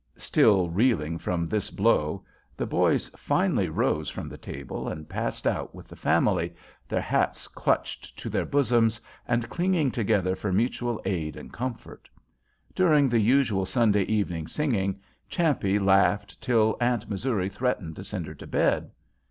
Still reeling from this blow, the boys finally rose from the table and passed out with the family, their hats clutched to their bosoms, and clinging together for mutual aid and comfort. During the usual Sunday evening singing Champe laughed till Aunt Missouri threatened to send her to bed.